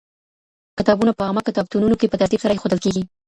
کتابونه په عامه کتابتونونو کي په ترتيب سره ايښودل کېږي.